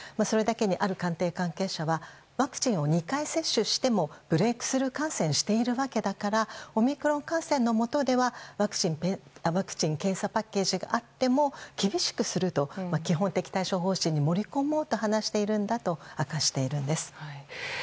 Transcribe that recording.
それだけにある官邸関係者はワクチンを２回接種してもブレークスルー感染をしているわけだからオミクロン感染のもとではワクチン・検査パッケージがあっても厳しくすると基本的対処方針に盛り込もうと話しているんだと明かしているんです。